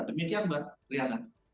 demikian mbak riana